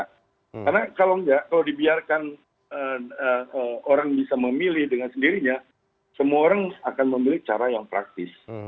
karena kalau tidak kalau dibiarkan orang bisa memilih dengan sendirinya semua orang akan memilih cara yang praktis